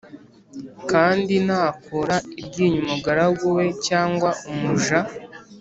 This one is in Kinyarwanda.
Kandi nakura iryinyo umugaragu we cyangwa umuja